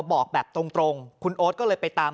บอกแบบตรงคุณโอ๊ตก็เลยไปตาม